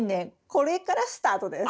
これからスタートです。